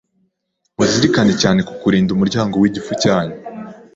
muzirikane cyane ku kurinda umuryango w’igifu cyanyu,